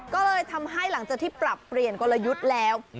ก็เลยทำให้หลังจากที่ปรับเปลี่ยนกลยุทธ์แล้ว